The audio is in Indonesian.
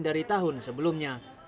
dari tahun sebelumnya